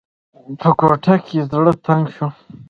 په کوټه کې زړه تنګ شو.